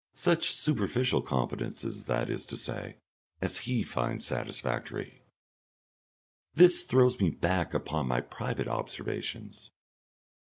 Such superficial confidences, that is to say, as he finds satisfactory. This throws me back upon my private observations.